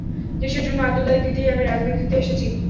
দেশের জন্য আত্মত্যাগ দিতেই আমি রাজনীতিতে এসেছি।